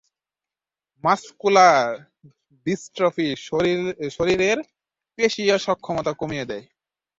Muscular dystrophy শরীরের পেশীর সক্ষমতা কমিয়ে দেয়।